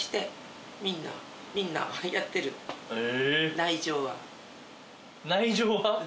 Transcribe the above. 内情は？